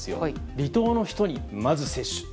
離島の人にまず接種。